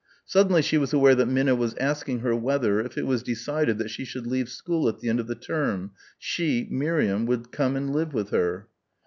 Suddenly she was aware that Minna was asking her whether, if it was decided that she should leave school at the end of the term, she, Miriam, would come and live with her.